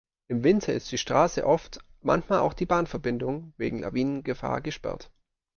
Im Winter ist die Straße oft, manchmal auch die Bahnverbindung wegen Lawinengefahr gesperrt.